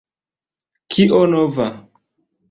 Kio nova?